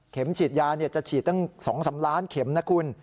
ฉีดยาจะฉีดตั้ง๒๓ล้านเข็มนะคุณ